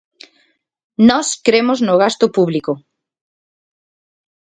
Nós cremos no gasto público.